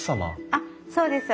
あっそうです。